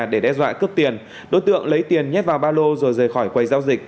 để đe dọa cướp tiền đối tượng lấy tiền nhét vào ba lô rồi rời khỏi quầy giao dịch